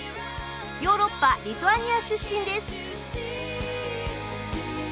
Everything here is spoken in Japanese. ヨーロッパリトアニア出身です。